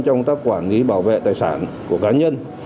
trong công tác quản lý bảo vệ tài sản của cá nhân